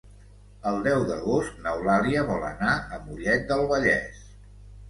El deu d'agost n'Eulàlia vol anar a Mollet del Vallès.